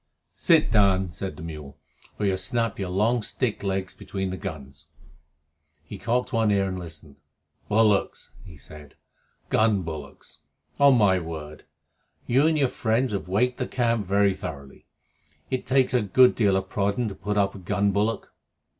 "Sit down," said the mule, "or you'll snap your long stick legs between the guns." He cocked one ear and listened. "Bullocks!" he said. "Gun bullocks. On my word, you and your friends have waked the camp very thoroughly. It takes a good deal of prodding to put up a gun bullock."